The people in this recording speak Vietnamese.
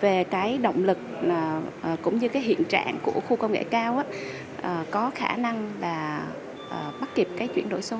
về cái động lực cũng như cái hiện trạng của khu công nghệ cao có khả năng là bắt kịp cái chuyển đổi số